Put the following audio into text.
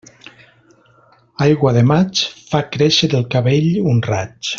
Aigua de maig, fa créixer el cabell un raig.